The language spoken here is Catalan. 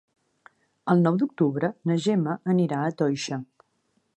El nou d'octubre na Gemma anirà a Toixa.